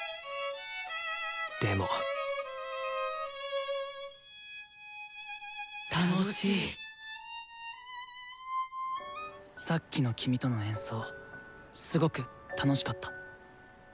でも楽しいさっきの君との演奏すごく楽しかった。